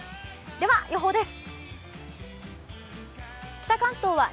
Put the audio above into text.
では予報です。